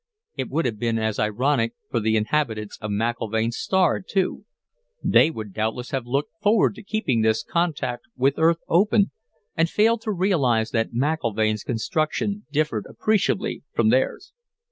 It would have been as ironic for the inhabitants of McIlvaine's star, too; they would doubtless have looked forward to keeping this contact with Earth open and failed to realize that McIlvaine's construction differed appreciably from theirs.